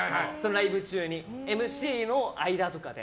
ライブ中にＭＣの間とかで。